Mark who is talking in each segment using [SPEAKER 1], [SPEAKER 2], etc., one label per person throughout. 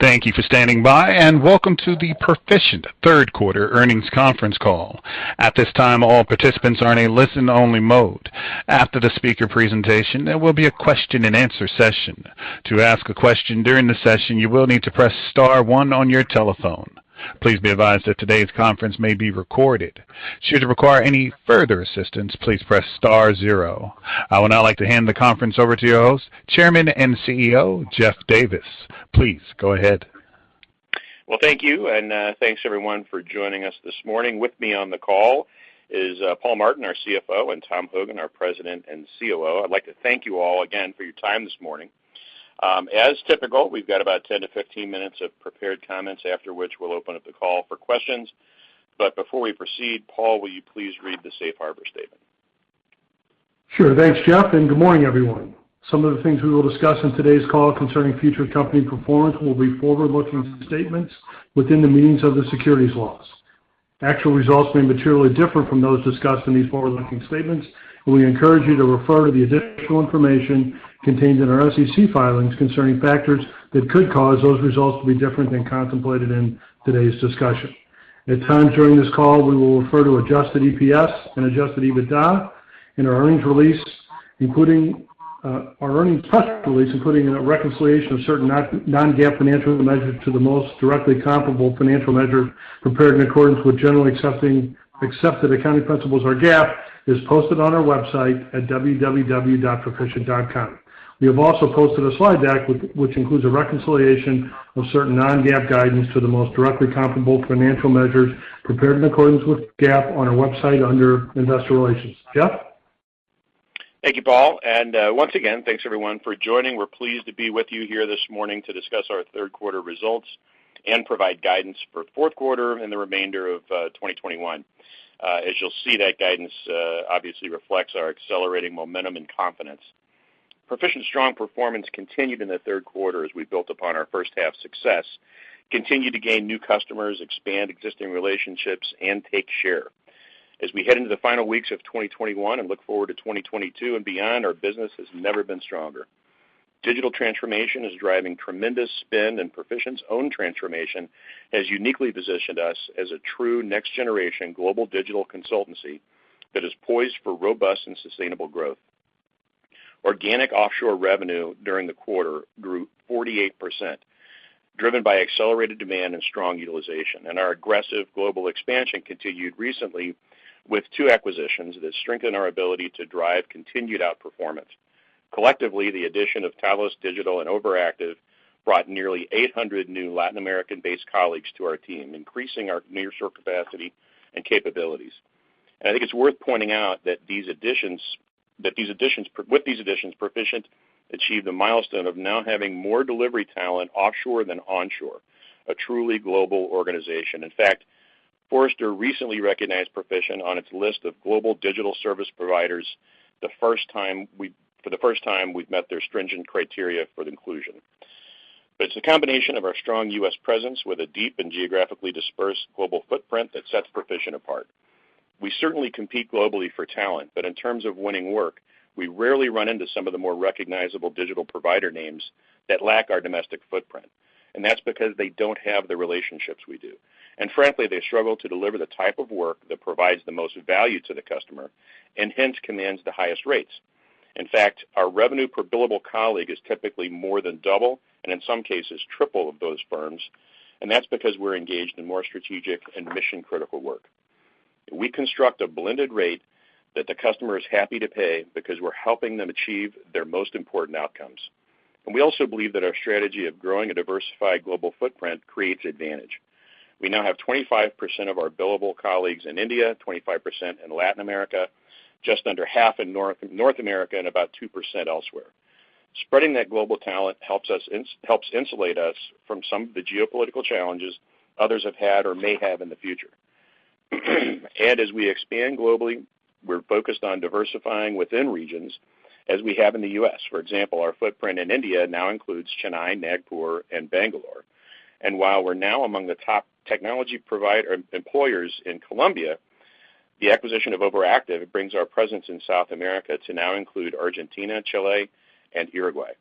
[SPEAKER 1] Thank you for standing by, and welcome to the Perficient Q3 earnings conference call. At this time, all participants are in a listen-only mode. After the speaker presentation, there will be a question-and-answer session. To ask a question during the session, you will need to press star one on your telephone. Please be advised that today's conference may be recorded. Should you require any further assistance, please press star zero. I would now like to hand the conference over to your host, Chairman and CEO, Jeff Davis. Please go ahead.
[SPEAKER 2] Well, thank you, and thanks, everyone, for joining us this morning. With me on the call is Paul Martin, our CFO, and Tom Hogan, our President and COO. I'd like to thank you all again for your time this morning. As typical, we've got about 10-15 minutes of prepared comments, after which we'll open up the call for questions. Before we proceed, Paul, will you please read the safe harbor statement?
[SPEAKER 3] Sure. Thanks, Jeff, and good morning, everyone. Some of the things we will discuss in today's call concerning future company performance will be forward-looking statements within the meaning of the securities laws. Actual results may materially differ from those discussed in these forward-looking statements, and we encourage you to refer to the additional information contained in our SEC filings concerning factors that could cause those results to be different than contemplated in today's discussion. At times during this call, we will refer to adjusted EPS and adjusted EBITDA in our earnings release, including our earnings press release, including a reconciliation of certain non-GAAP financial measures to the most directly comparable financial measure prepared in accordance with generally accepted accounting principles, or GAAP, is posted on our website at www.perficient.com. We have also posted a slide deck which includes a reconciliation of certain non-GAAP guidance to the most directly comparable financial measures prepared in accordance with GAAP on our website under Investor Relations. Jeff?
[SPEAKER 2] Thank you, Paul, and once again, thanks everyone for joining. We're pleased to be with you here this morning to discuss our Q3 results and provide guidance for Q4 and the remainder of 2021. As you'll see, that guidance obviously reflects our accelerating momentum and confidence. Perficient's strong performance continued in the Q3 as we built upon our first half success, continued to gain new customers, expand existing relationships, and take share. As we head into the final weeks of 2021 and look forward to 2022 and beyond, our business has never been stronger. Digital transformation is driving tremendous spend, and Perficient's own transformation has uniquely positioned us as a true next-generation global digital consultancy that is poised for robust and sustainable growth. Organic offshore revenue during the quarter grew 48%, driven by accelerated demand and strong utilization. Our aggressive global expansion continued recently with two acquisitions that strengthen our ability to drive continued outperformance. Collectively, the addition of Talos Digital and Overactive brought nearly 800 new Latin American-based colleagues to our team, increasing our nearshore capacity and capabilities. I think it's worth pointing out that these additions. With these additions, Perficient achieved a milestone of now having more delivery talent offshore than onshore, a truly global organization. In fact, Forrester recently recognized Perficient on its list of global digital service providers for the first time we've met their stringent criteria for the inclusion. It's the combination of our strong U.S. presence with a deep and geographically dispersed global footprint that sets Perficient apart. We certainly compete globally for talent, but in terms of winning work, we rarely run into some of the more recognizable digital provider names that lack our domestic footprint, and that's because they don't have the relationships we do. Frankly, they struggle to deliver the type of work that provides the most value to the customer and hence commands the highest rates. In fact, our revenue per billable colleague is typically more than double, and in some cases triple of those firms, and that's because we're engaged in more strategic and mission-critical work. We construct a blended rate that the customer is happy to pay because we're helping them achieve their most important outcomes. We also believe that our strategy of growing a diversified global footprint creates advantage. We now have 25% of our billable colleagues in India, 25% in Latin America, just under half in North America, and about 2% elsewhere. Spreading that global talent helps insulate us from some of the geopolitical challenges others have had or may have in the future. As we expand globally, we're focused on diversifying within regions as we have in the U.S. For example, our footprint in India now includes Chennai, Nagpur, and Bangalore. While we're now among the top technology employers in Colombia, the acquisition of Overactive brings our presence in South America to now include Argentina, Chile, and Uruguay,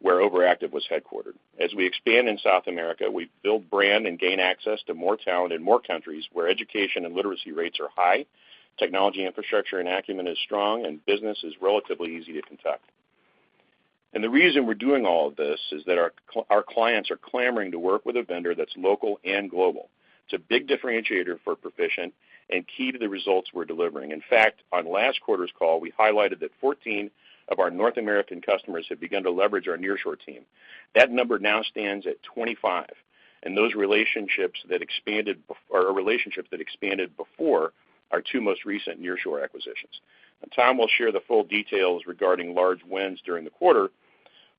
[SPEAKER 2] where Overactive was headquartered. As we expand in South America, we build brand and gain access to more talent in more countries where education and literacy rates are high, technology infrastructure and acumen is strong, and business is relatively easy to conduct. The reason we're doing all of this is that our clients are clamoring to work with a vendor that's local and global. It's a big differentiator for Perficient and key to the results we're delivering. In fact, on last quarter's call, we highlighted that 14 of our North American customers have begun to leverage our nearshore team. That number now stands at 25, and those relationships that expanded before our two most recent nearshore acquisitions. Tom will share the full details regarding large wins during the quarter,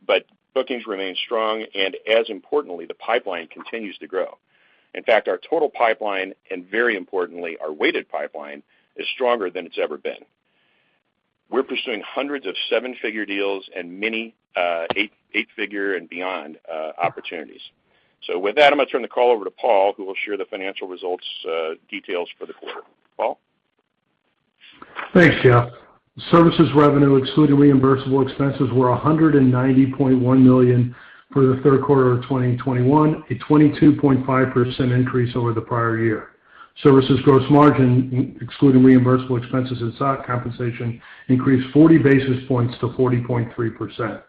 [SPEAKER 2] but bookings remain strong, and as importantly, the pipeline continues to grow. In fact, our total pipeline, and very importantly, our weighted pipeline, is stronger than it's ever been. We're pursuing hundreds of seven-figure deals and many eight-figure and beyond opportunities. With that, I'm gonna turn the call over to Paul, who will share the financial results details for the quarter. Paul?
[SPEAKER 3] Thanks, Jeff. Services revenue excluding reimbursable expenses were $190.1 million for the Q3 of 2021, a 22.5% increase over the prior year. Services gross margin, excluding reimbursable expenses and stock compensation, increased 40 basis points to 40.3%.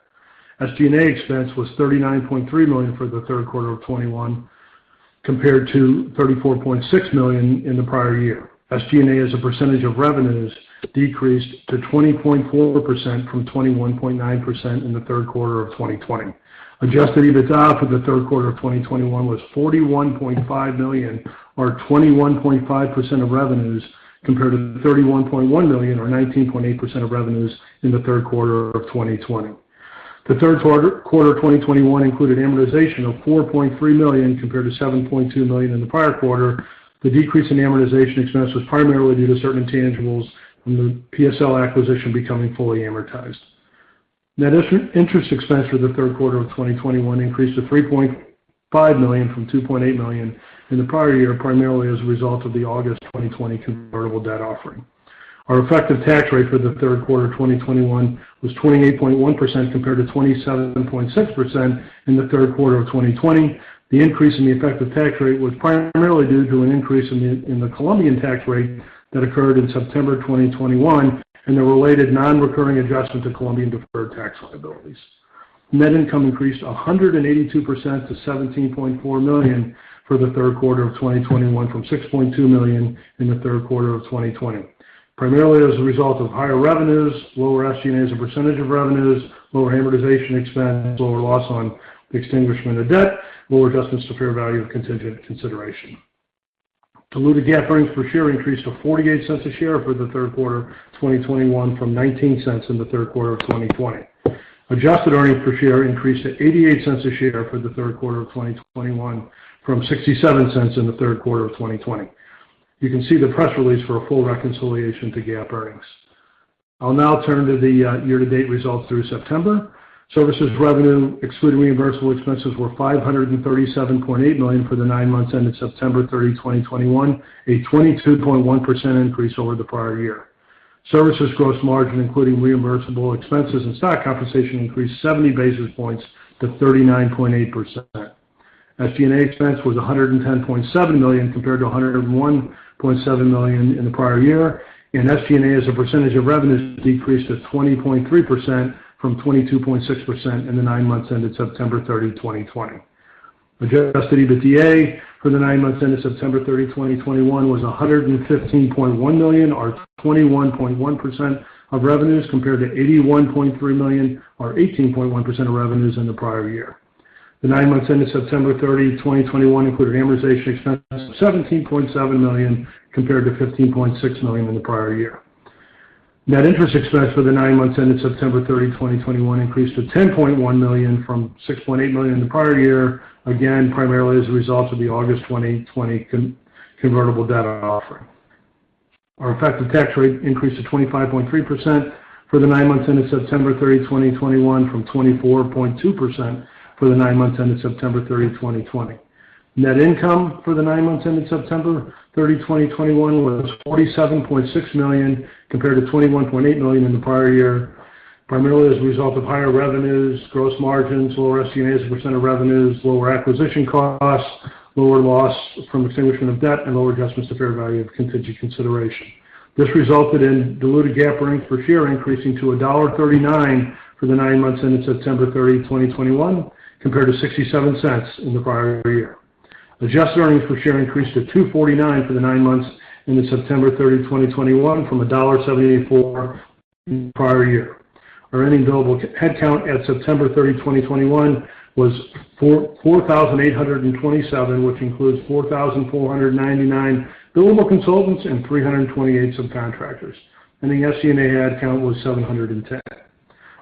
[SPEAKER 3] SG&A expense was $39.3 million for the Q3 of 2021 compared to $34.6 million in the prior year. SG&A, as a percentage of revenues, decreased to 20.4% from 21.9% in the Q3 of 2020. Adjusted EBITDA for the Q3 of 2021 was $41.5 million or 21.5% of revenues compared to $31.1 million or 19.8% of revenues in the Q3 of 2020. The Q3 of 2021 included amortization of $4.3 million compared to $7.2 million in the prior quarter. The decrease in amortization expense was primarily due to certain intangibles from the PSL acquisition becoming fully amortized. Net interest expense for the Q3 of 2021 increased to $3.5 million from $2.8 million in the prior year, primarily as a result of the August 2020 convertible debt offering. Our effective tax rate for the Q3 of 2021 was 28.1% compared to 27.6% in the Q3 of 2020. The increase in the effective tax rate was primarily due to an increase in the Colombian tax rate that occurred in September 2021 and the related non-recurring adjustment to Colombian deferred tax liabilities. Net income increased 182% to $17.4 million for the Q3 of 2021 from $6.2 million in the Q3 of 2020, primarily as a result of higher revenues, lower SG&A as percentage of revenues, lower amortization expense, lower loss on the extinguishment of debt, lower adjustments to fair value of contingent consideration. Diluted GAAP earnings per share increased to $0.48 per share for the Q3 of 2021 from $0.19 in the Q3 of 2020. Adjusted earnings per share increased to $0.88 per share for the Q3 of 2021 from $0.67 in the Q3 of 2020. You can see the press release for a full reconciliation to GAAP earnings. I'll now turn to the year-to-date results through September. Services revenue, excluding reimbursable expenses, were $537.8 million for the nine months ended September 30, 2021, a 22.1% increase over the prior year. Services gross margin, including reimbursable expenses and stock compensation, increased 70 basis points to 39.8%. SG&A expense was $110.7 million compared to $101.7 million in the prior year, and SG&A, as a percentage of revenues, decreased to 20.3% from 22.6% in the nine months ended September 30, 2020. Adjusted EBITDA for the nine months ended September 30, 2021 was $115.1 million, or 21.1% of revenues, compared to $81.3 million or 18.1% of revenues in the prior year. The nine months ended September 30, 2021 included amortization expense of $17.7 million compared to $15.6 million in the prior year. Net interest expense for the nine months ended September 30, 2021 increased to $10.1 million from $6.8 million in the prior year, again, primarily as a result of the August 2020 convertible debt offering. Our effective tax rate increased to 25.3% for the nine months ended September 30, 2021 from 24.2% for the nine months ended September 30, 2020. Net income for the nine months ended September 30, 2021 was $47.6 million compared to $21.8 million in the prior year, primarily as a result of higher revenues, gross margins, lower SG&A as a percent of revenues, lower acquisition costs, lower loss from extinguishment of debt, and lower adjustments to fair value of contingent consideration. This resulted in diluted GAAP earnings per share increasing to $1.39 for the nine months ended September 30, 2021, compared to $0.67 in the prior year. Adjusted earnings per share increased to $2.49 for the nine months ended September 30, 2021 from $1.74 in the prior year. Our ending billable headcount at September 30, 2021 was 4,487, which includes 4,499 billable consultants and 328 subcontractors. The SG&A headcount was 710.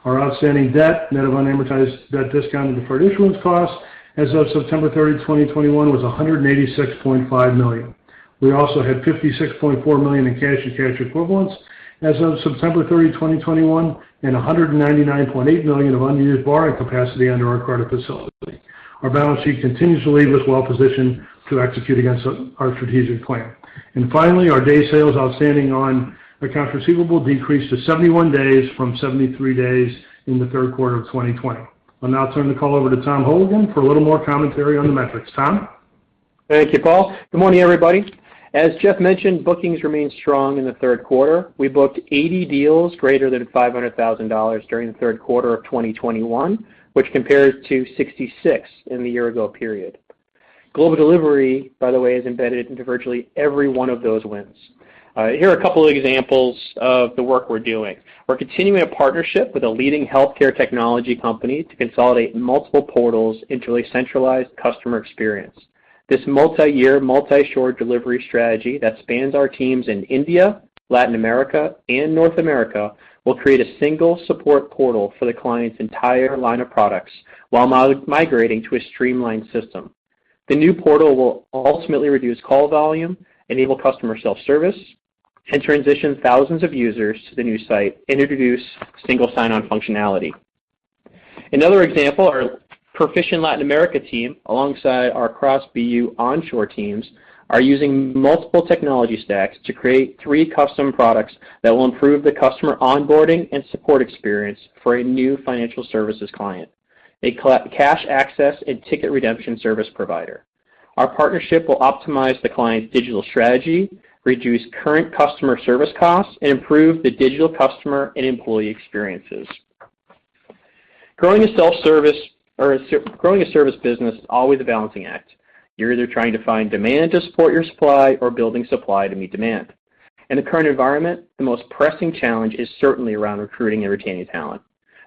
[SPEAKER 3] Our outstanding debt, net of unamortized debt discount and deferred issuance costs, as of September 30, 2021 was $186.5 million. We also had $56.4 million in cash and cash equivalents as of September 30, 2021, and $199.8 million of unused borrowing capacity under our credit facility. Our balance sheet continues to leave us well positioned to execute against our strategic plan. Finally, our day sales outstanding on accounts receivable decreased to 71 days from 73 days in the Q3 of 2020. I'll now turn the call over to Tom Hogan for a little more commentary on the metrics. Tom?
[SPEAKER 4] Thank you, Paul. Good morning, everybody. As Jeff mentioned, bookings remained strong in the Q3. We booked 80 deals greater than $500,000 during the Q3 of 2021, which compares to 66 in the year ago period. Global delivery, by the way, is embedded into virtually every one of those wins. Here are a couple of examples of the work we're doing. We're continuing a partnership with a leading healthcare technology company to consolidate multiple portals into a centralized customer experience. This multi-year, multi-shore delivery strategy that spans our teams in India, Latin America, and North America will create a single support portal for the client's entire line of products while migrating to a streamlined system. The new portal will ultimately reduce call volume, enable customer self-service, and transition thousands of users to the new site and introduce single sign-on functionality. Another example, our Perficient Latin America team, alongside our cross BU onshore teams, are using multiple technology stacks to create three custom products that will improve the customer onboarding and support experience for a new financial services client, a cash access and ticket redemption service provider. Our partnership will optimize the client's digital strategy, reduce current customer service costs, and improve the digital customer and employee experiences. Growing a service business is always a balancing act. You're either trying to find demand to support your supply or building supply to meet demand. In the current environment, the most pressing challenge is certainly around recruiting and retaining talent.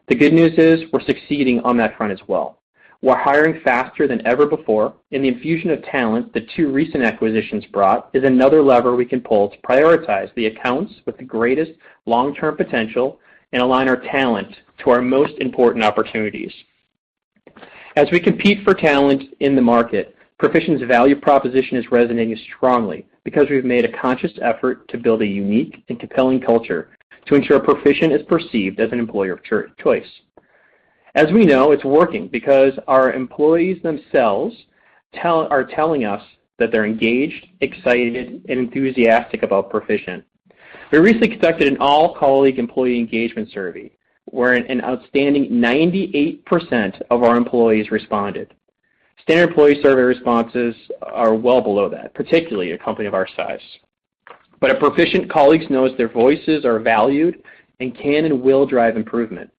[SPEAKER 4] The good news is we're succeeding on that front as well. We're hiring faster than ever before, and the infusion of talent the two recent acquisitions brought is another lever we can pull to prioritize the accounts with the greatest long-term potential and align our talent to our most important opportunities. As we compete for talent in the market, Perficient's value proposition is resonating strongly because we've made a conscious effort to build a unique and compelling culture to ensure Perficient is perceived as an employer of choice. As we know, it's working because our employees themselves are telling us that they're engaged, excited, and enthusiastic about Perficient. We recently conducted an all-colleague employee engagement survey, where an outstanding 98% of our employees responded. Standard employee survey responses are well below that, particularly a company of our size. At Perficient, colleagues know their voices are valued and can and will drive improvement.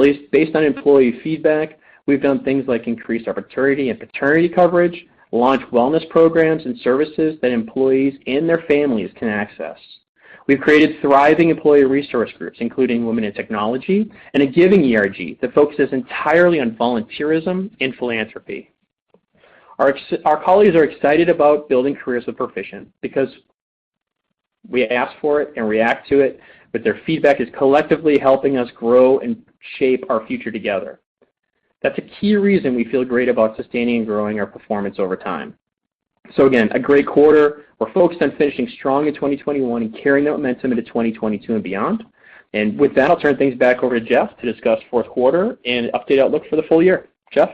[SPEAKER 4] At least based on employee feedback, we've done things like increase our maternity and paternity coverage, launch wellness programs and services that employees and their families can access. We've created thriving employee resource groups, including Women in Technology, and a giving ERG that focuses entirely on volunteerism and philanthropy. Our colleagues are excited about building careers with Perficient because we ask for it and react to it, but their feedback is collectively helping us grow and shape our future together. That's a key reason we feel great about sustaining and growing our performance over time. Again, a great quarter. We're focused on finishing strong in 2021 and carrying that momentum into 2022 and beyond. With that, I'll turn things back over to Jeff to discuss Q4 and update outlook for the full year. Jeff?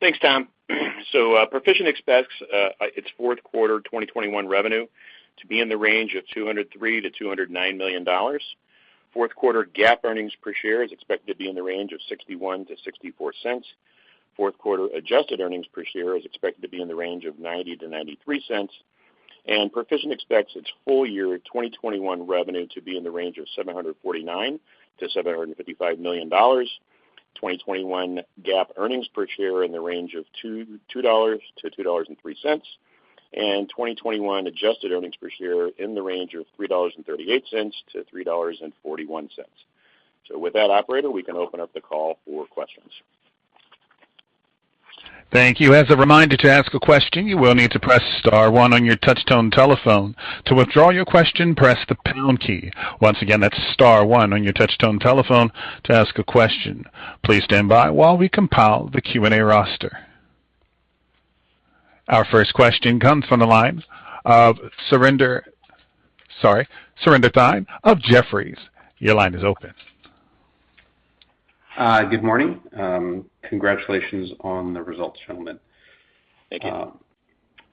[SPEAKER 2] Thanks, Tom. Perficient expects its Q4 2021 revenue to be in the range of $203 million-$209 million. Q4 GAAP earnings per share is expected to be in the range of $0.61-$0.64. Q4 adjusted earnings per share is expected to be in the range of $0.90-$0.93. Perficient expects its full year 2021 revenue to be in the range of $749 million-$755 million. 2021 GAAP earnings per share in the range of $2.00-$2.03, and 2021 adjusted earnings per share in the range of $3.38-$3.41. With that, operator, we can open up the call for questions.
[SPEAKER 1] Thank you. As a reminder, to ask a question, you will need to press star one on your touchtone telephone. To withdraw your question, press the pound key. Once again, that's star one on your touchtone telephone to ask a question. Please stand by while we compile the Q&A roster. Our first question comes from the lines of Surinder Thind of Jefferies. Your line is open.
[SPEAKER 5] Good morning. Congratulations on the results, gentlemen.
[SPEAKER 2] Thank you.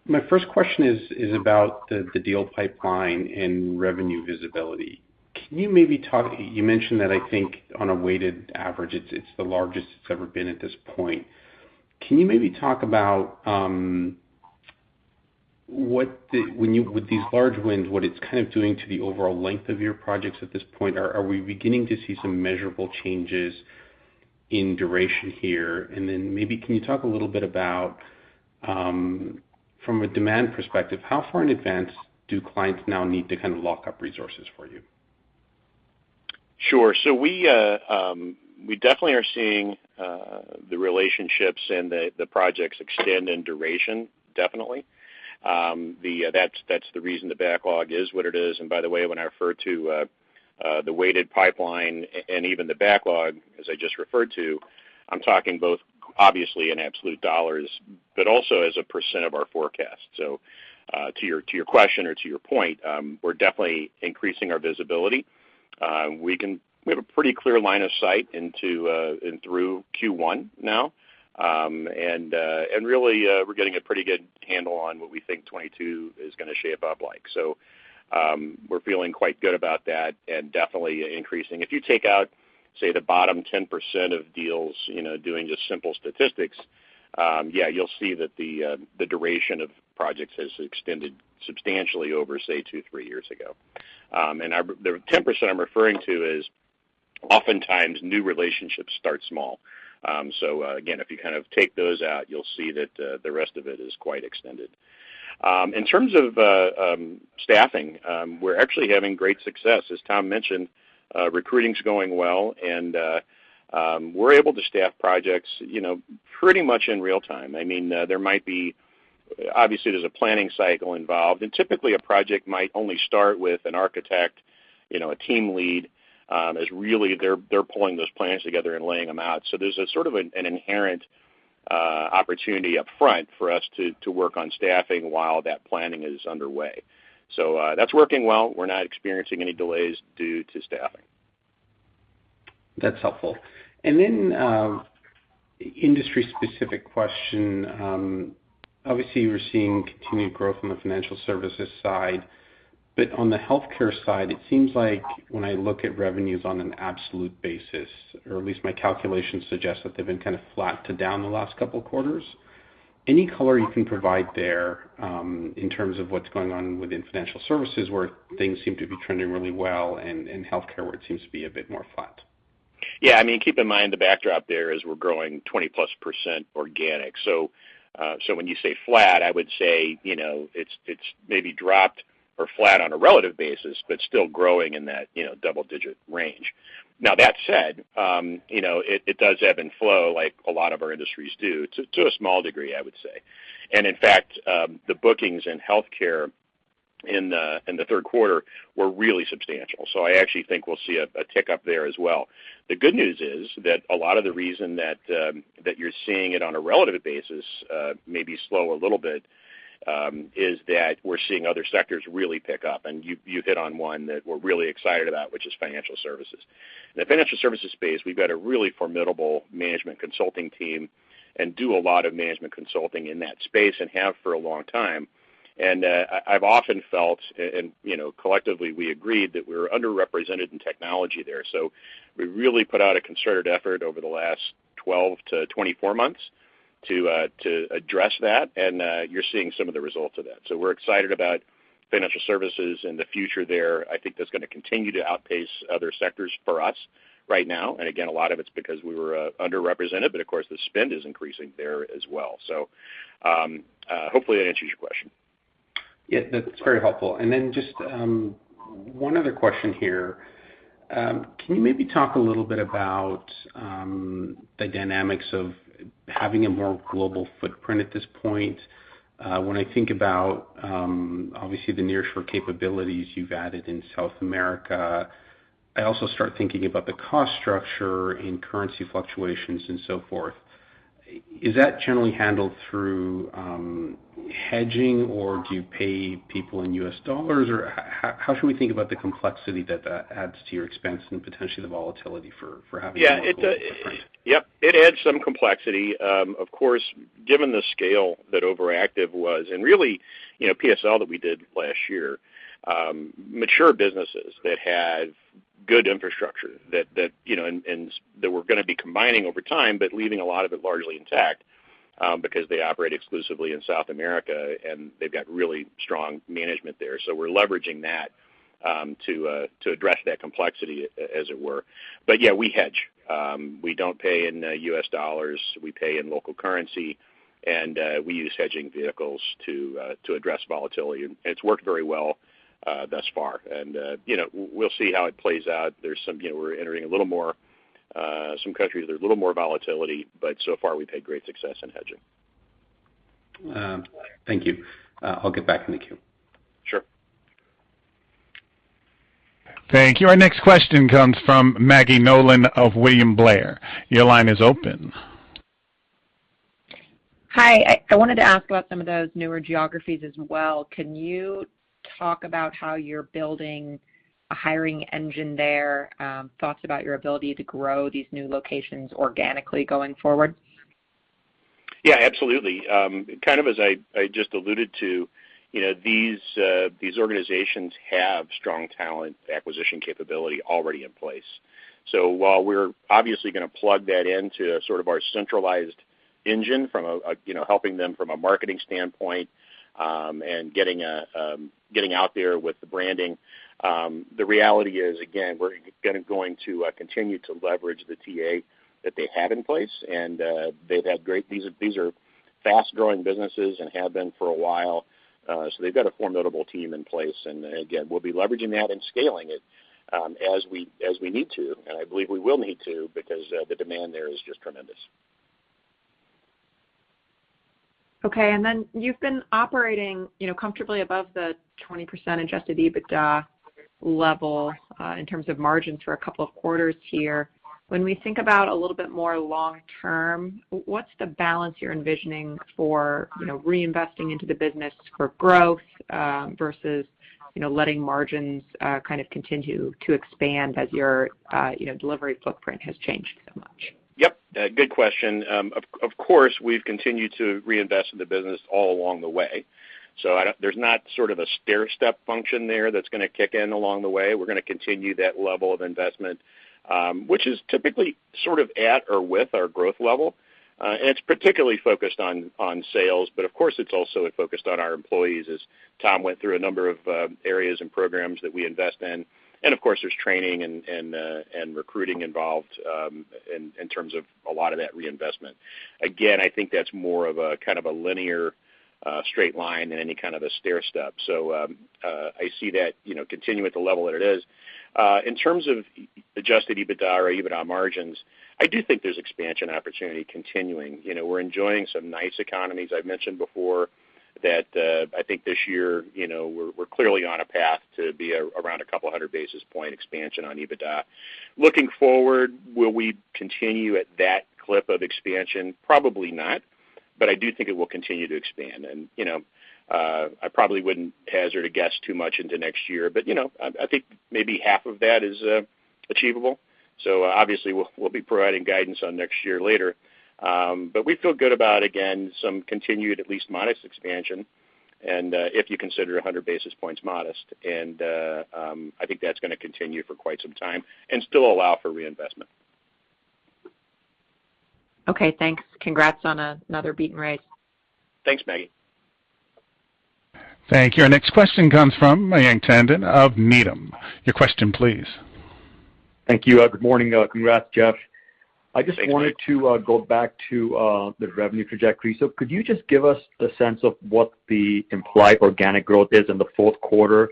[SPEAKER 5] My first question is about the deal pipeline and revenue visibility. Can you maybe talk about what you mentioned, that I think on a weighted average, it's the largest it's ever been at this point. Can you maybe talk about, with these large wins, what it's kind of doing to the overall length of your projects at this point? Are we beginning to see some measurable changes in duration here? Then maybe can you talk a little bit about, from a demand perspective, how far in advance do clients now need to kind of lock up resources for you?
[SPEAKER 2] Sure. We definitely are seeing the relationships and the projects extend in duration, definitely. That's the reason the backlog is what it is. By the way, when I refer to the weighted pipeline and even the backlog, as I just referred to, I'm talking both obviously in absolute dollars, but also as a percent of our forecast. To your question or to your point, we're definitely increasing our visibility. We have a pretty clear line of sight into and through Q1 now. Really, we're getting a pretty good handle on what we think 2022 is gonna shape up like. We're feeling quite good about that and definitely increasing. If you take out, say, the bottom 10% of deals, you know, doing just simple statistics, you'll see that the duration of projects has extended substantially over, say, two, three years ago. The 10% I'm referring to is oftentimes new relationships start small. Again, if you kind of take those out, you'll see that the rest of it is quite extended. In terms of staffing, we're actually having great success. As Tom mentioned, recruiting's going well, and we're able to staff projects, you know, pretty much in real time. I mean, obviously, there's a planning cycle involved, and typically a project might only start with an architect, you know, a team lead, as really they're pulling those plans together and laying them out. There's a sort of an inherent opportunity up front for us to work on staffing while that planning is underway. That's working well. We're not experiencing any delays due to staffing.
[SPEAKER 5] That's helpful. Industry-specific question. Obviously, you're seeing continued growth on the financial services side. On the healthcare side, it seems like when I look at revenues on an absolute basis, or at least my calculations suggest that they've been kind of flat to down the last couple of quarters. Any color you can provide there, in terms of what's going on within financial services, where things seem to be trending really well, and healthcare, where it seems to be a bit more flat?
[SPEAKER 2] Yeah, I mean, keep in mind the backdrop there is we're growing 20%+ organic. When you say flat, I would say, you know, it's maybe dropped or flat on a relative basis, but still growing in that, you know, double-digit range. Now that said, you know, it does ebb and flow like a lot of our industries do to a small degree, I would say. In fact, the bookings in healthcare in the Q3 were really substantial. I actually think we'll see a tick up there as well. The good news is that a lot of the reason that you're seeing it on a relative basis, maybe slow a little bit, is that we're seeing other sectors really pick up, and you hit on one that we're really excited about, which is financial services. In the financial services space, we've got a really formidable management consulting team and do a lot of management consulting in that space and have for a long time. I've often felt, you know, collectively, we agreed that we're underrepresented in technology there. We really put out a concerted effort over the last 12-24 months to address that. You're seeing some of the results of that. We're excited about financial services and the future there. I think that's gonna continue to outpace other sectors for us right now. Again, a lot of it's because we were underrepresented, but of course the spend is increasing there as well. Hopefully that answers your question.
[SPEAKER 5] Yeah, that's very helpful. Just one other question here. Can you maybe talk a little bit about the dynamics of having a more global footprint at this point? When I think about, obviously the nearshore capabilities you've added in South America, I also start thinking about the cost structure and currency fluctuations and so forth. Is that generally handled through hedging, or do you pay people in U.S. dollars? Or how should we think about the complexity that that adds to your expense and potentially the volatility for having a more global footprint?
[SPEAKER 2] Yep, it adds some complexity. Of course, given the scale that Overactive was, and really, you know, PSL that we did last year, mature businesses that had good infrastructure that you know and that we're gonna be combining over time, but leaving a lot of it largely intact, because they operate exclusively in South America, and they've got really strong management there. We're leveraging that to address that complexity as it were. Yeah, we hedge. We don't pay in U.S. dollars. We pay in local currency, and we use hedging vehicles to address volatility, and it's worked very well thus far. You know, we'll see how it plays out. You know, we're entering a little more some countries. There's a little more volatility, but so far we've had great success in hedging.
[SPEAKER 5] Thank you. I'll get back in the queue.
[SPEAKER 2] Sure.
[SPEAKER 1] Thank you. Our next question comes from Maggie Nolan of William Blair. Your line is open.
[SPEAKER 6] Hi. I wanted to ask about some of those newer geographies as well. Can you talk about how you're building a hiring engine there? Thoughts about your ability to grow these new locations organically going forward?
[SPEAKER 2] Yeah, absolutely. Kind of as I just alluded to, you know, these organizations have strong talent acquisition capability already in place. While we're obviously gonna plug that into sort of our centralized engine from a you know, helping them from a marketing standpoint, and getting out there with the branding, the reality is, again, we're kind of going to continue to leverage the TA that they have in place, and these are fast-growing businesses and have been for a while. They've got a formidable team in place. Again, we'll be leveraging that and scaling it, as we need to. I believe we will need to because the demand there is just tremendous.
[SPEAKER 6] Okay. You've been operating, you know, comfortably above the 20% adjusted EBITDA level in terms of margins for a couple of quarters here. When we think about a little bit more long term, what's the balance you're envisioning for, you know, reinvesting into the business for growth versus, you know, letting margins kind of continue to expand as your, you know, delivery footprint has changed so much?
[SPEAKER 2] Yep. Good question. Of course, we've continued to reinvest in the business all along the way. There's not sort of a stairstep function there that's gonna kick in along the way. We're gonna continue that level of investment, which is typically sort of at or with our growth level, and it's particularly focused on sales. Of course, it's also focused on our employees as Tom went through a number of areas and programs that we invest in. Of course, there's training and recruiting involved in terms of a lot of that reinvestment. Again, I think that's more of a kind of a linear straight line than any kind of a stairstep. I see that, you know, continue at the level that it is. In terms of adjusted EBITDA or EBITDA margins, I do think there's expansion opportunity continuing. You know, we're enjoying some nice economies I've mentioned before. That, I think this year, you know, we're clearly on a path to be around 200 basis points expansion on EBITDA. Looking forward, will we continue at that clip of expansion? Probably not. I do think it will continue to expand. You know, I probably wouldn't hazard a guess too much into next year. You know, I think maybe half of that is achievable. Obviously, we'll be providing guidance on next year later. We feel good about, again, some continued at least modest expansion, and if you consider 100 basis points modest. I think that's gonna continue for quite some time and still allow for reinvestment.
[SPEAKER 6] Okay, thanks. Congrats on another beat and raise.
[SPEAKER 2] Thanks, Maggie.
[SPEAKER 1] Thank you. Our next question comes from Mayank Tandon of Needham. Your question please.
[SPEAKER 7] Thank you. Good morning. Congrats, Jeff.
[SPEAKER 2] Thank you.
[SPEAKER 7] I just wanted to go back to the revenue trajectory. Could you just give us a sense of what the implied organic growth is in the Q4,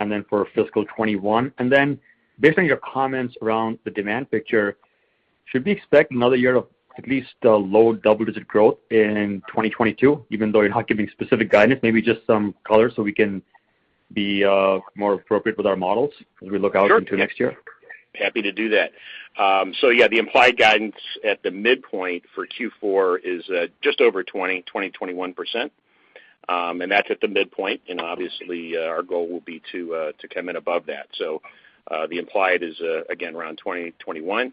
[SPEAKER 7] and then for fiscal 2021? Based on your comments around the demand picture, should we expect another year of at least low double-digit growth in 2022, even though you're not giving specific guidance, maybe just some color so we can be more appropriate with our models as we look out.
[SPEAKER 2] Sure.
[SPEAKER 7] into next year?
[SPEAKER 2] Happy to do that. Yeah, the implied guidance at the midpoint for Q4 is just over 21%. That's at the midpoint. Obviously, our goal will be to come in above that. The implied is again around 21%.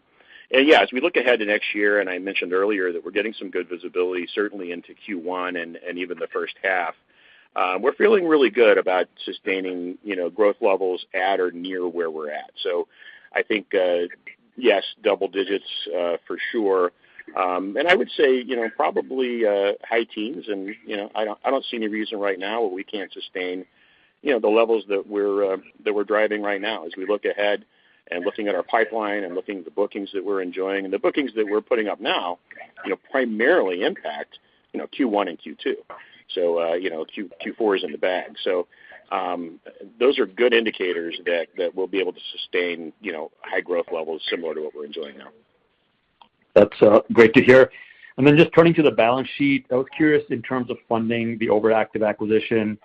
[SPEAKER 2] Yeah, as we look ahead to next year, and I mentioned earlier that we're getting some good visibility certainly into Q1 and even the first half, we're feeling really good about sustaining, you know, growth levels at or near where we're at. I think, yes, double digits, for sure. I would say, you know, probably high teens and, you know, I don't see any reason right now where we can't sustain, you know, the levels that we're driving right now as we look ahead and looking at our pipeline and looking at the bookings that we're enjoying. The bookings that we're putting up now, you know, primarily impact, you know, Q1 and Q2. Q4 is in the bag. Those are good indicators that we'll be able to sustain, you know, high growth levels similar to what we're enjoying now.
[SPEAKER 7] That's great to hear. Just turning to the balance sheet, I was curious in terms of funding the Overactive acquisition,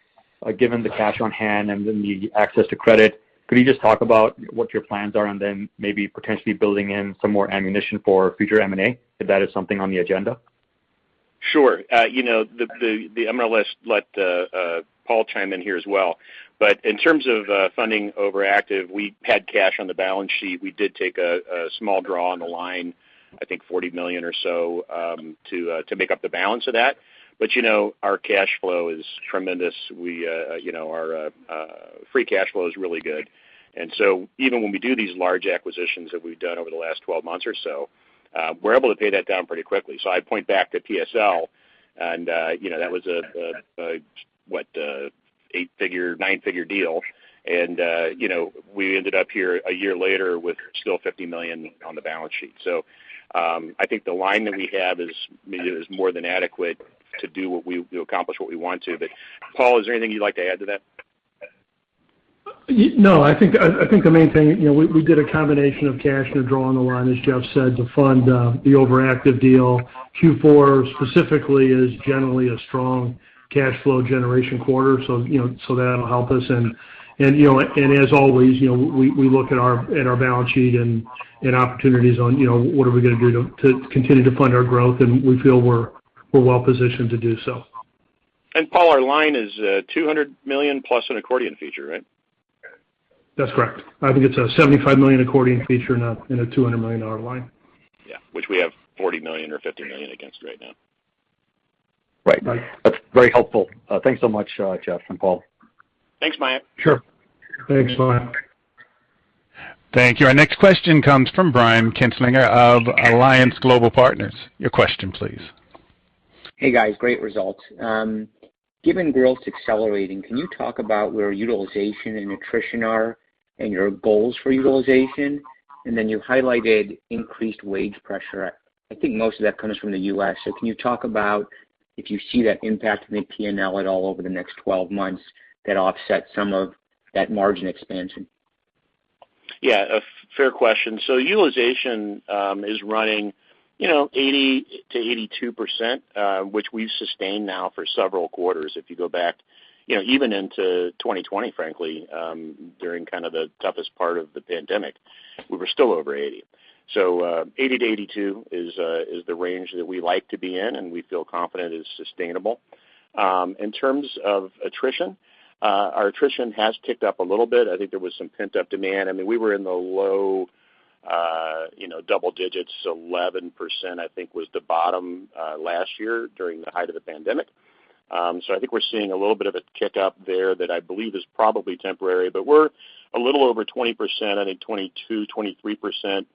[SPEAKER 7] given the cash on hand and then the access to credit, could you just talk about what your plans are and then maybe potentially building in some more ammunition for future M&A if that is something on the agenda?
[SPEAKER 2] Sure. You know, I'm gonna let Paul chime in here as well. In terms of funding Overactive, we had cash on the balance sheet. We did take a small draw on the line, I think $40 million or so, to make up the balance of that. You know, our cash flow is tremendous. You know, our free cash flow is really good. Even when we do these large acquisitions that we've done over the last 12 months or so, we're able to pay that down pretty quickly. I point back to PSL and you know, that was an eight-figure, nine-figure deal. You know, we ended up here a year later with still $50 million on the balance sheet. I think the line that we have is maybe more than adequate to accomplish what we want to. Paul, is there anything you'd like to add to that?
[SPEAKER 3] No, I think the main thing, you know, we did a combination of cash and a draw on the line, as Jeff said, to fund the Overactive deal. Q4 specifically is generally a strong cash flow generation quarter, so you know, that'll help us and you know, as always, you know, we look at our balance sheet and opportunities on, you know, what are we gonna do to continue to fund our growth, and we feel we're well positioned to do so.
[SPEAKER 2] Paul, our line is $200 million plus an accordion feature, right?
[SPEAKER 3] That's correct. I think it's a $75 million accordion feature in a $200 million line.
[SPEAKER 2] Yeah. Which we have $40 million or $50 million against right now.
[SPEAKER 3] Right.
[SPEAKER 7] That's very helpful. Thanks so much, Jeff and Paul.
[SPEAKER 1] Thanks, Mayank. Sure. Thanks, Mayank. Thank you. Our next question comes from Brian Kinstlinger of Alliance Global Partners. Your question please.
[SPEAKER 8] Hey, guys. Great results. Given growth accelerating, can you talk about where utilization and attrition are and your goals for utilization? You highlighted increased wage pressure. I think most of that comes from the U.S. Can you talk about if you see that impact in the P&L at all over the next 12 months that offset some of that margin expansion?
[SPEAKER 2] Yeah, a fair question. Utilization is running, you know, 80%-82%, which we've sustained now for several quarters. If you go back, you know, even into 2020, frankly, during kind of the toughest part of the pandemic, we were still over 80%. 80%-82% is the range that we like to be in and we feel confident is sustainable. In terms of attrition, our attrition has ticked up a little bit. I think there was some pent-up demand. I mean, we were in the low double digits, 11% I think was the bottom last year during the height of the pandemic. I think we're seeing a little bit of a kick up there that I believe is probably temporary, but we're a little over 20%, I think 22, 23%,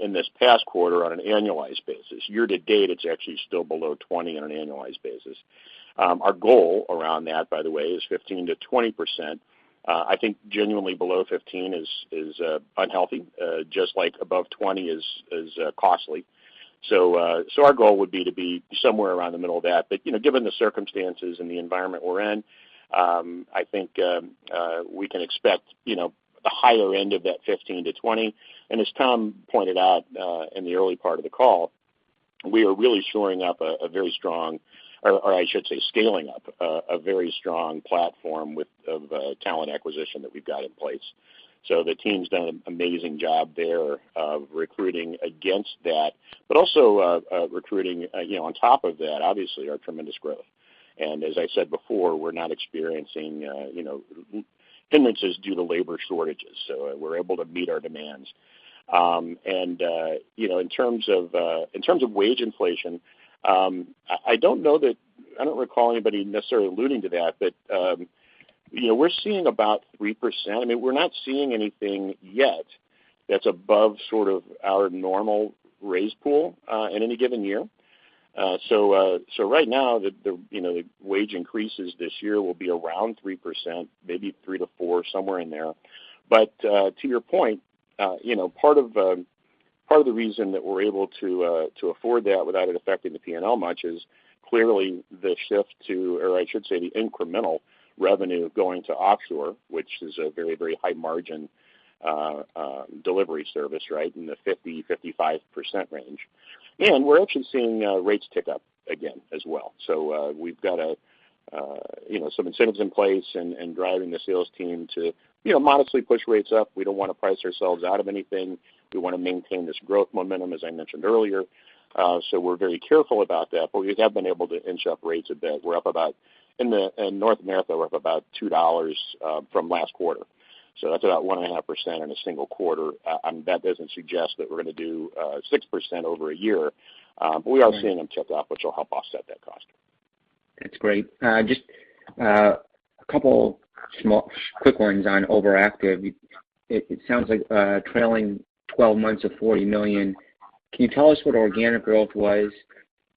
[SPEAKER 2] in this past quarter on an annualized basis. Year to date, it's actually still below 20% on an annualized basis. Our goal around that, by the way, is 15%-20%. I think genuinely below 15% is unhealthy, just like above 20% is costly. Our goal would be to be somewhere around the middle of that. You know, given the circumstances and the environment we're in, I think we can expect, you know, the higher end of that 15%-20%. As Tom pointed out in the early part of the call. We are really scaling up a very strong platform of talent acquisition that we've got in place. The team's done an amazing job there of recruiting against that, but also recruiting you know on top of that, obviously our tremendous growth. As I said before, we're not experiencing you know hindrances due to labor shortages, we're able to meet our demands. You know, in terms of wage inflation, I don't recall anybody necessarily alluding to that. But you know, we're seeing about 3%. I mean, we're not seeing anything yet that's above sort of our normal raise pool in any given year. Right now, you know, the wage increases this year will be around 3%, maybe 3%-4%, somewhere in there. To your point, you know, part of the reason that we're able to afford that without it affecting the P&L much is clearly the shift to offshore, or I should say the incremental revenue going to offshore, which is a very high margin delivery service, right, in the 50%-55% range. We're actually seeing rates tick up again as well. We've got some incentives in place and driving the sales team to modestly push rates up. We don't wanna price ourselves out of anything. We wanna maintain this growth momentum, as I mentioned earlier. We're very careful about that. We have been able to inch up rates a bit. In North America, we're up about $2 from last quarter, that's about 1.5% in a single quarter. That doesn't suggest that we're gonna do 6% over a year. We are seeing them tick up, which will help offset that cost.
[SPEAKER 8] That's great. Just a couple small quick ones on Overactive. It sounds like trailing 12 months of $40 million. Can you tell us what organic growth was?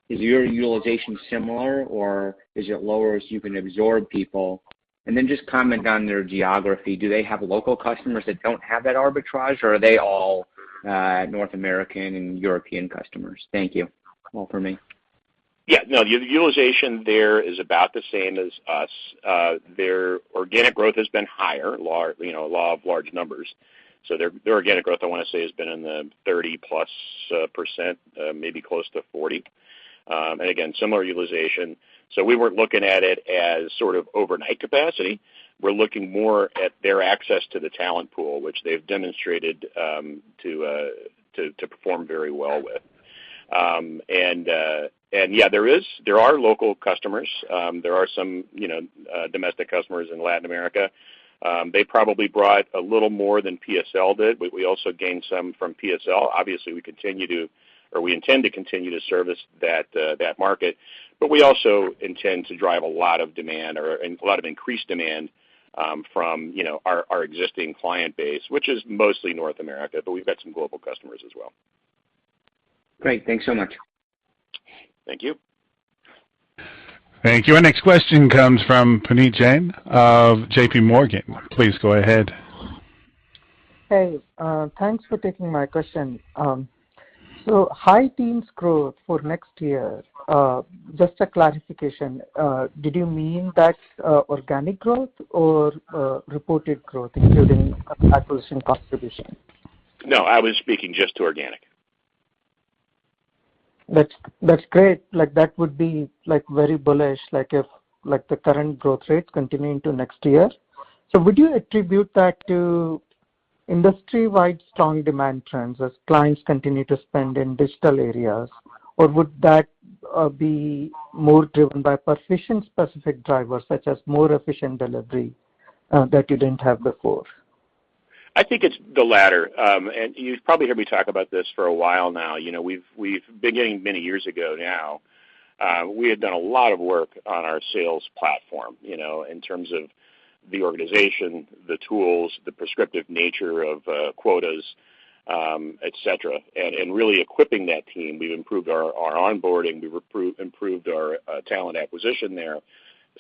[SPEAKER 8] Is your utilization similar, or is it lower so you can absorb people? And then just comment on their geography. Do they have local customers that don't have that arbitrage, or are they all North American and European customers? Thank you. All for me.
[SPEAKER 2] Yeah, no, the utilization there is about the same as us. Their organic growth has been higher, you know, law of large numbers. Their organic growth, I wanna say, has been in the 30+%, maybe close to 40%. And again, similar utilization. We weren't looking at it as sort of overnight capacity. We're looking more at their access to the talent pool, which they've demonstrated to perform very well with. And yeah, there are local customers. There are some, you know, domestic customers in Latin America. They probably brought a little more than PSL did. We also gained some from PSL. Obviously, we continue to... We intend to continue to service that market, but we also intend to drive a lot of demand and a lot of increased demand from, you know, our existing client base, which is mostly North America, but we've got some global customers as well.
[SPEAKER 8] Great. Thanks so much.
[SPEAKER 2] Thank you.
[SPEAKER 1] Thank you. Our next question comes from Puneet Jain of JP Morgan. Please go ahead.
[SPEAKER 9] Hey, thanks for taking my question. High teens growth for next year, just a clarification, did you mean that's organic growth or reported growth including acquisition contribution?
[SPEAKER 2] No, I was speaking just to organic.
[SPEAKER 9] That's great. Like, that would be, like, very bullish, like, if, like, the current growth rates continue into next year. Would you attribute that to industry-wide strong demand trends as clients continue to spend in digital areas? Or would that be more driven by Perficient-specific drivers, such as more efficient delivery that you didn't have before?
[SPEAKER 2] I think it's the latter. You've probably heard me talk about this for a while now. You know, beginning many years ago now, we had done a lot of work on our sales platform, you know, in terms of the organization, the tools, the prescriptive nature of quotas, et cetera, really equipping that team. We've improved our onboarding. We've improved our talent acquisition there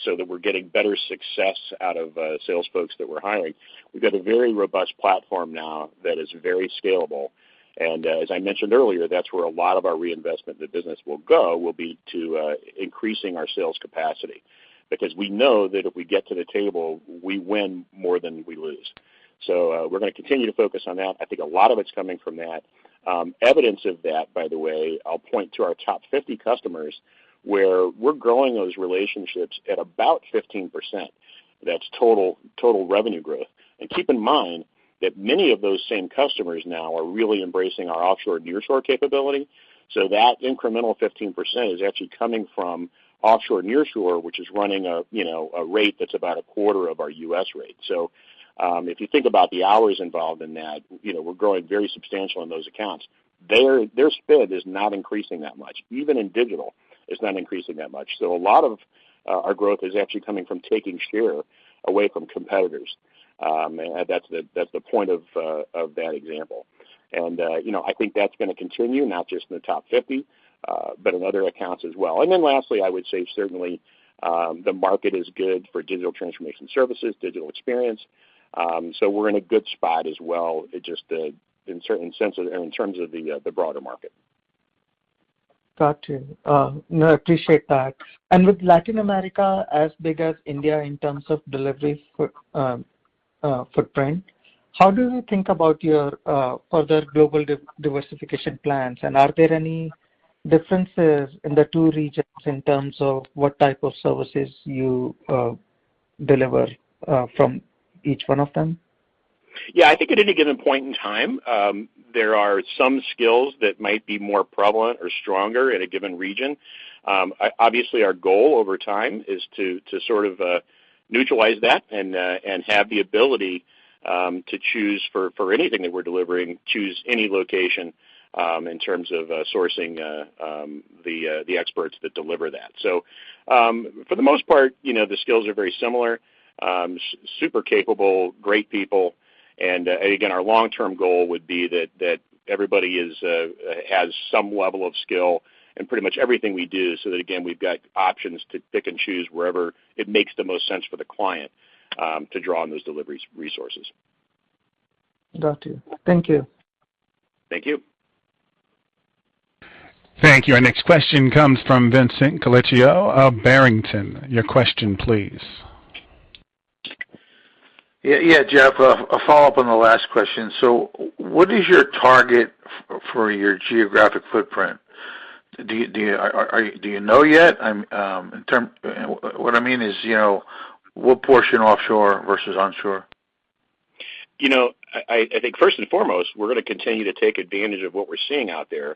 [SPEAKER 2] so that we're getting better success out of sales folks that we're hiring. We've got a very robust platform now that is very scalable. As I mentioned earlier, that's where a lot of our reinvestment in the business will go to increasing our sales capacity. Because we know that if we get to the table, we win more than we lose. We're gonna continue to focus on that. I think a lot of it's coming from that. Evidence of that, by the way, I'll point to our top 50 customers, where we're growing those relationships at about 15%. That's total revenue growth. Keep in mind that many of those same customers now are really embracing our offshore and nearshore capability. That incremental 15% is actually coming from offshore and nearshore, which is running a you know a rate that's about a quarter of our U.S. rate. If you think about the hours involved in that, you know, we're growing very substantial in those accounts. Their spend is not increasing that much, even in digital, it's not increasing that much. A lot of our growth is actually coming from taking share away from competitors. That's the point of that example. You know, I think that's gonna continue, not just in the top 50, but in other accounts as well. Then lastly, I would say certainly, the market is good for digital transformation services, digital experience, so we're in a good spot as well, just in terms of the broader market.
[SPEAKER 9] Got you. No, appreciate that. With Latin America as big as India in terms of delivery footprint, footprint. How do you think about your further global diversification plans? Are there any differences in the two regions in terms of what type of services you deliver from each one of them?
[SPEAKER 2] Yeah. I think at any given point in time, there are some skills that might be more prevalent or stronger in a given region. Obviously, our goal over time is to sort of neutralize that and have the ability to choose for anything that we're delivering, choose any location in terms of sourcing the experts that deliver that. For the most part, you know, the skills are very similar. Super capable, great people, and again, our long-term goal would be that everybody has some level of skill in pretty much everything we do, so that again, we've got options to pick and choose wherever it makes the most sense for the client to draw on those delivery resources.
[SPEAKER 9] Got you. Thank you.
[SPEAKER 2] Thank you.
[SPEAKER 1] Thank you. Our next question comes from Vincent Colicchio of Barrington. Your question please.
[SPEAKER 10] Yeah, Jeff, a follow-up on the last question. What is your target for your geographic footprint? Do you know yet? What I mean is, you know, what portion offshore versus onshore?
[SPEAKER 2] You know, I think first and foremost, we're gonna continue to take advantage of what we're seeing out there.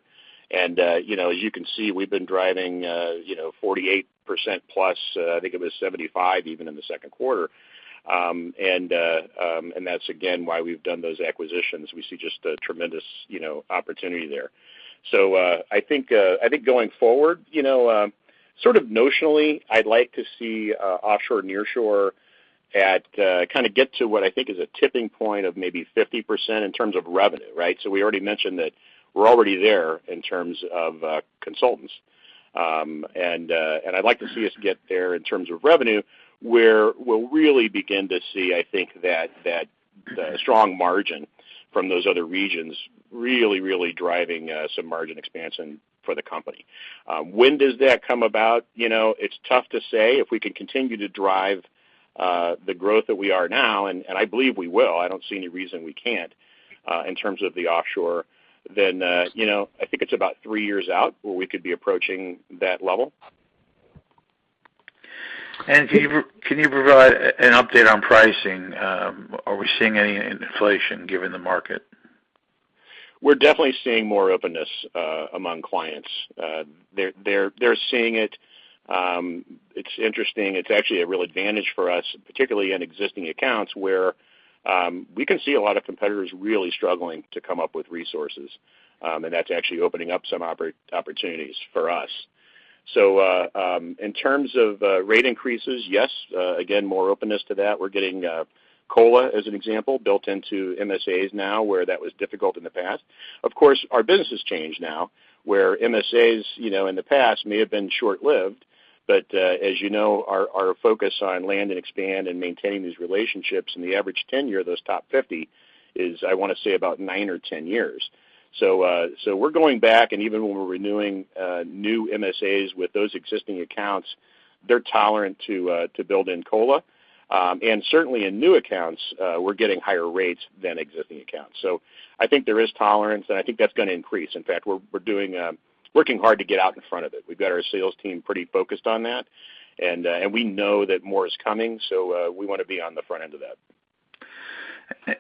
[SPEAKER 2] You know, as you can see, we've been driving, you know, 48% plus. I think it was 75% even in the Q2. That's again why we've done those acquisitions. We see just a tremendous, you know, opportunity there. I think going forward, you know, sort of notionally, I'd like to see offshore, nearshore at kinda get to what I think is a tipping point of maybe 50% in terms of revenue, right? We already mentioned that we're already there in terms of consultants. I'd like to see us get there in terms of revenue, where we'll really begin to see, I think that the strong margin from those other regions really driving some margin expansion for the company. When does that come about? You know, it's tough to say. If we can continue to drive the growth that we are now, and I believe we will, I don't see any reason we can't, in terms of the offshore, then you know, I think it's about three years out where we could be approaching that level.
[SPEAKER 10] Can you provide an update on pricing? Are we seeing any inflation given the market?
[SPEAKER 2] We're definitely seeing more openness among clients. They're seeing it. It's interesting. It's actually a real advantage for us, particularly in existing accounts, where we can see a lot of competitors really struggling to come up with resources. That's actually opening up some opportunities for us. In terms of rate increases, yes, again, more openness to that. We're getting COLA, as an example, built into MSAs now, where that was difficult in the past. Of course, our business has changed now, where MSAs, you know, in the past may have been short-lived, but as you know, our focus on land and expand and maintaining these relationships and the average tenure of those top 50 is, I wanna say, about nine or 10 years. We're going back, and even when we're renewing new MSAs with those existing accounts, they're tolerant to build in COLA. Certainly in new accounts, we're getting higher rates than existing accounts. I think there is tolerance, and I think that's gonna increase. In fact, we're working hard to get out in front of it. We've got our sales team pretty focused on that, and we know that more is coming, so we wanna be on the front end of that.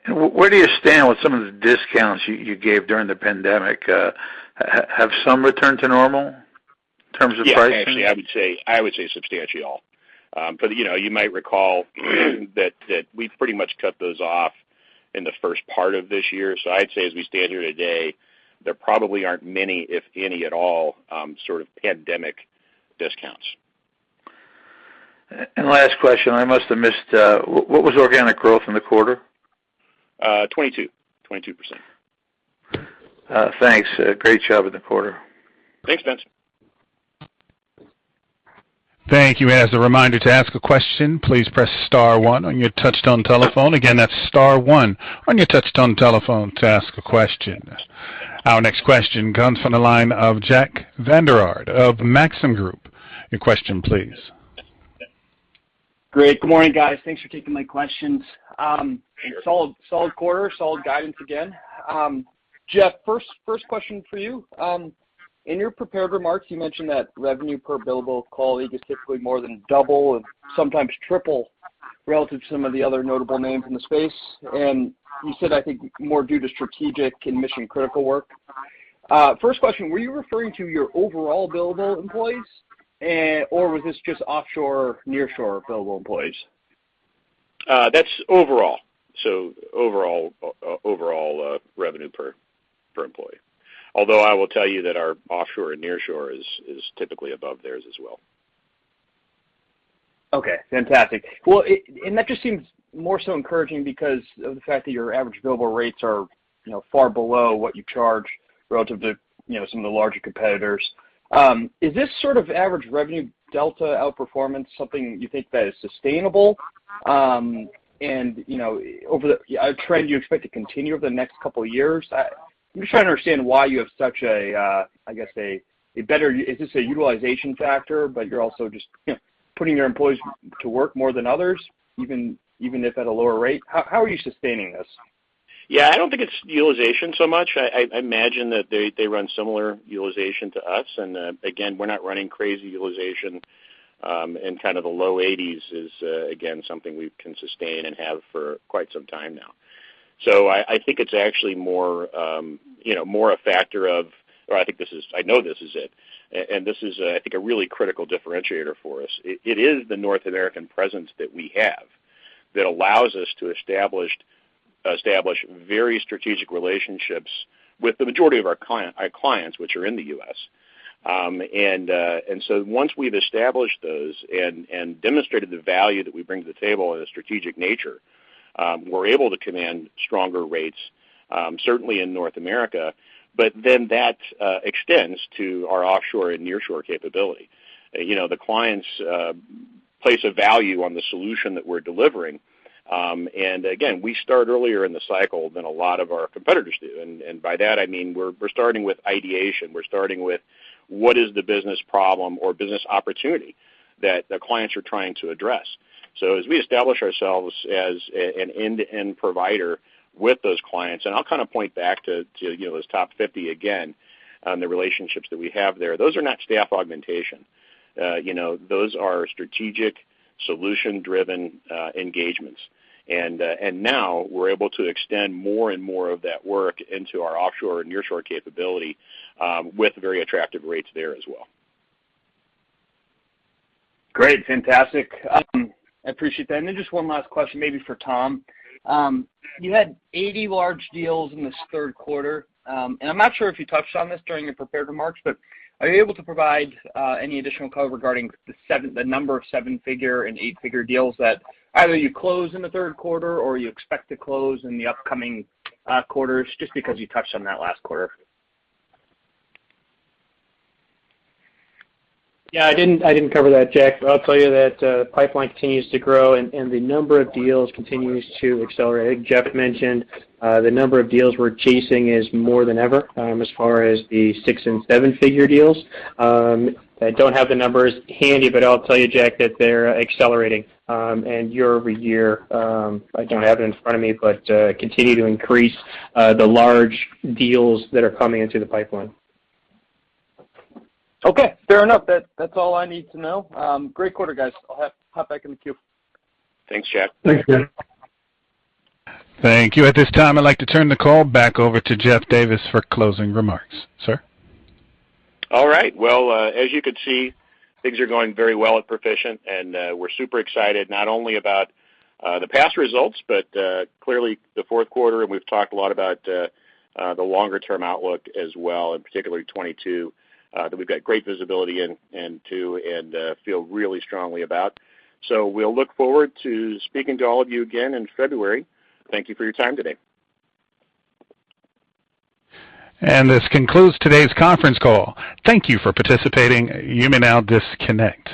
[SPEAKER 10] Where do you stand with some of the discounts you gave during the pandemic? Have some returned to normal in terms of pricing?
[SPEAKER 2] Yeah. Actually, I would say substantially all. But, you know, you might recall that we pretty much cut those off in the first part of this year. I'd say as we stand here today, there probably aren't many, if any at all, sort of pandemic discounts.
[SPEAKER 10] Last question, I must have missed, what was organic growth in the quarter?
[SPEAKER 2] 22%. 22%.
[SPEAKER 10] Thanks. Great job in the quarter.
[SPEAKER 2] Thanks, Vincent.
[SPEAKER 1] Thank you. As a reminder, to ask a question, please press star one on your touchtone telephone. Again, that's star one on your touchtone telephone to ask a question. Our next question comes from the line of Jack Vander Aarde of Maxim Group. Your question please.
[SPEAKER 11] Great. Good morning, guys. Thanks for taking my questions.
[SPEAKER 2] Sure.
[SPEAKER 11] Solid quarter. Solid guidance again. Jeff, first question for you. In your prepared remarks, you mentioned that revenue per billable colleague is typically more than double or sometimes triple relative to some of the other notable names in the space. You said, I think more due to strategic and mission-critical work. First question, were you referring to your overall billable employees, or was this just offshore, nearshore billable employees?
[SPEAKER 2] That's overall. Overall, revenue per employee. Although I will tell you that our offshore and nearshore is typically above theirs as well.
[SPEAKER 11] Okay, fantastic. Well, that just seems more so encouraging because of the fact that your average billable rates are, you know, far below what you charge relative to, you know, some of the larger competitors. Is this sort of average revenue delta outperformance something you think that is sustainable, and, you know, over the trend you expect to continue over the next couple of years? I'm just trying to understand why you have such a, I guess a better utilization factor, but you're also just, you know, putting your employees to work more than others, even if at a lower rate? How are you sustaining this?
[SPEAKER 2] Yeah. I don't think it's utilization so much. I imagine that they run similar utilization to us. Again, we're not running crazy utilization, and kind of the low 80s is again something we can sustain and have for quite some time now. I think it's actually more, you know. I know this is it, and this is, I think a really critical differentiator for us. It is the North American presence that we have that allows us to establish very strategic relationships with the majority of our clients, which are in the U.S. Once we've established those and demonstrated the value that we bring to the table in a strategic nature, we're able to command stronger rates, certainly in North America. That extends to our offshore and nearshore capability. You know, the clients place a value on the solution that we're delivering. Again, we start earlier in the cycle than a lot of our competitors do. By that I mean we're starting with ideation. We're starting with what is the business problem or business opportunity that the clients are trying to address. As we establish ourselves as an end-to-end provider with those clients, and I'll kind of point back to, you know, those top 50 again, the relationships that we have there, those are not staff augmentation. You know, those are strategic, solution-driven engagements. Now we're able to extend more and more of that work into our offshore and nearshore capability, with very attractive rates there as well.
[SPEAKER 11] Great. Fantastic. I appreciate that. Just one last question, maybe for Tom. You had 80 large deals in this Q3. I'm not sure if you touched on this during your prepared remarks, but are you able to provide any additional color regarding the number of seven-figure and eight-figure deals that either you closed in the Q3 or you expect to close in the upcoming quarters, just because you touched on that last quarter?
[SPEAKER 4] Yeah, I didn't cover that, Jack. I'll tell you that pipeline continues to grow and the number of deals continues to accelerate. I think Jeff mentioned the number of deals we're chasing is more than ever, as far as the six- and seven-figure deals. I don't have the numbers handy, but I'll tell you, Jack, that they're accelerating and year-over-year I don't have it in front of me, but continue to increase the large deals that are coming into the pipeline.
[SPEAKER 11] Okay, fair enough. That's all I need to know. Great quarter, guys. I'll hop back in the queue.
[SPEAKER 2] Thanks, Jack.
[SPEAKER 4] Thanks, Jack.
[SPEAKER 1] Thank you. At this time, I'd like to turn the call back over to Jeff Davis for closing remarks. Sir?
[SPEAKER 2] All right. Well, as you can see, things are going very well at Perficient, and we're super excited not only about the past results, but clearly the Q4, and we've talked a lot about the longer term outlook as well, and particularly 2022, that we've got great visibility into and feel really strongly about. We'll look forward to speaking to all of you again in February. Thank you for your time today.
[SPEAKER 1] This concludes today's conference call. Thank you for participating. You may now disconnect.